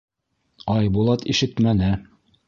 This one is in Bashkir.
Айбулат ишетмәне.